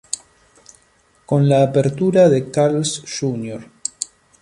Con la apertura de Carl’s Jr.